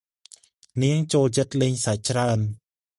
នាងចូលចិត្តលេងសើចច្រើន។